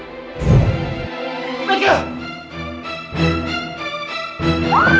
kayaknya tuh dari tadi ada yang lagi ngerhatiin